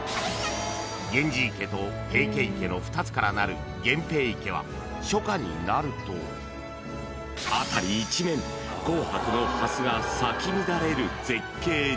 ［源氏池と平家池の２つからなる源平池は初夏になると辺り一面紅白のハスが咲き乱れる絶景に］